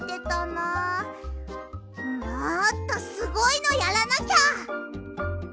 もっとすごいのやらなきゃ！